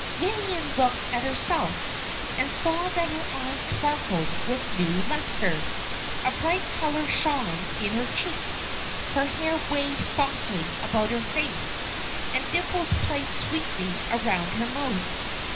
Marion looked at herself, and saw that her eyes sparkled with new lustre, a bright colour shone in her cheeks, her hair waved softly about her face, and dimples played sweetly around her mouth.